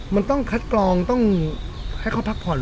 มันต้องคัดกรองต้องให้เขาพักผ่อน